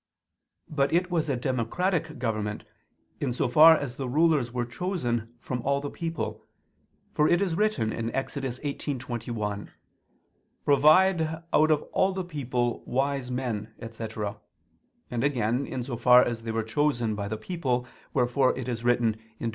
But it was a democratical government in so far as the rulers were chosen from all the people; for it is written (Ex. 18:21): "Provide out of all the people wise [Vulg.: 'able'] men," etc.; and, again, in so far as they were chosen by the people; wherefore it is written (Deut.